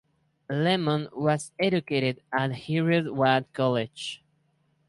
Lemon was educated at Heriot-Watt College.